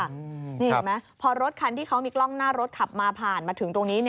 นี่เห็นไหมพอรถคันที่เขามีกล้องหน้ารถขับมาผ่านมาถึงตรงนี้